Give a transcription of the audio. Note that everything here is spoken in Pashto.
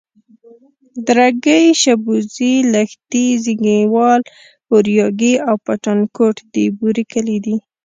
درگۍ، شبوزې، لښتي، زينگيوال، اورياگی او پټانکوټ د بوري کلي دي.